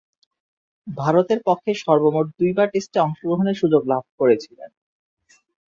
ভারতের পক্ষে সর্বমোট দুইবার টেস্টে অংশগ্রহণের সুযোগ লাভ করেছিলেন।